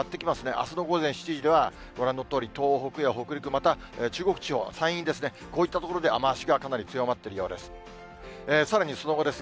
あすの午前７時には、ご覧のとおり東北や北陸、また中国地方、山陰ですね、こういった所で雨足がかなり強まっているようです。